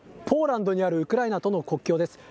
ポーランドにあるウクライナとの国境です。